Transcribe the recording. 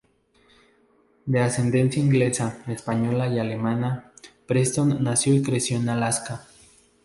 De ascendencia inglesa, española y alemana, Preston nació y creció en Alaska.